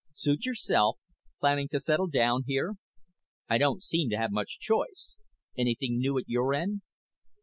"Suit yourself. Planning to settle down here?" "I don't seem to have much choice. Anything new at your end?"